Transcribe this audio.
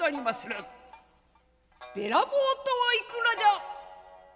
「べらぼうとはいくらじゃ」。